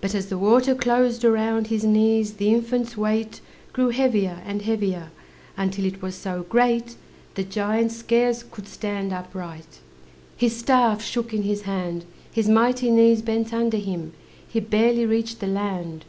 But as the water closed around His knees, the infant's weight Grew heavier, and heavier, Until it was so great The giant scarce could stand upright, His staff shook in his hand, His mighty knees bent under him, He barely reached the land.